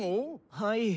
はい。